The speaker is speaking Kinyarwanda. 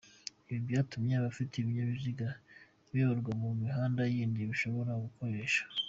Ibi byatumye abafite ibinyabiziga bayoborwa mu mihanda yindi bashobora gukoresha.